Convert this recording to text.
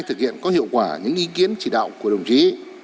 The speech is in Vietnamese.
thực hiện có hiệu quả những ý kiến chỉ đạo của đồng chí